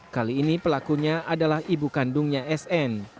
kali ini pelakunya adalah ibu kandungnya sn